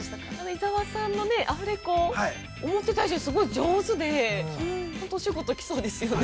◆伊沢さんのアフレコ、思ってた以上に、すごい上手で、本当お仕事来そうですよね。